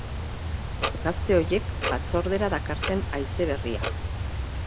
Gazte horiek batzordera dakarten haize berria.